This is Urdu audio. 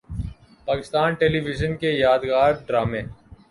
پاکستان ٹیلی وژن کے یادگار ڈرامے